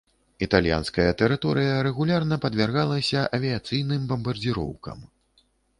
Італьянская тэрыторыя рэгулярна падвяргалася авіяцыйным бамбардзіроўкам.